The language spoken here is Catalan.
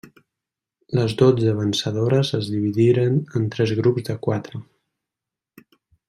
Les dotze vencedores es dividiren en tres grups de quatre.